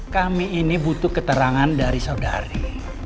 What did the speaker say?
kami ini butuh keterangan dari saudari